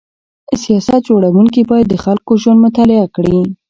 سیاست جوړونکي باید د خلکو ژوند مطالعه کړي.